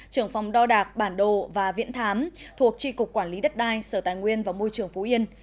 trưởng phòng đo đạc bản đồ và viễn thám thuộc tri cục quản lý đất đai sở tài nguyên và môi trường phú yên